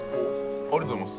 ありがとうございます。